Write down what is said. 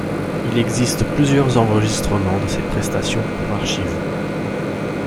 Il existe plusieurs enregistrements de ses prestations pour Archiv.